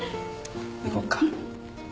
行こっか。